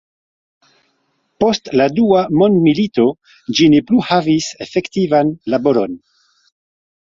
Post la dua mondmilito ĝi ne plu havis efektivan laboron.